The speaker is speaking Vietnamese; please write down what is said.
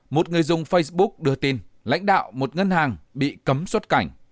một người dùng facebook đưa tin lãnh đạo một ngân hàng bị cấm xuất cảnh